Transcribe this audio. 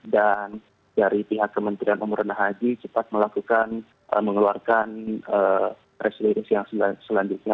dan dari pihak kementerian umroh dan haji cepat melakukan mengeluarkan presidisi yang selanjutnya